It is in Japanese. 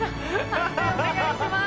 判定お願いします。